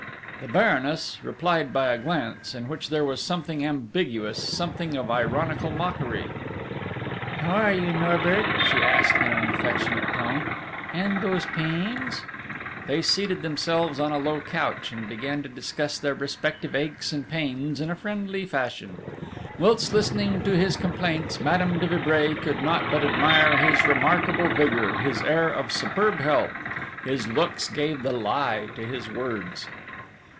The Baroness replied by a glance, in which there was something ambiguous, something of ironical mockery: "How are you, Norbert?" she asked in an affectionate tone.... "And those pains?" They seated themselves on a low couch, and began to discuss their respective aches and pains in friendly fashion. Whilst listening to his complaints, Madame de Vibray could not but admire his remarkable vigour, his air of superb health: his looks gave the lie to his words.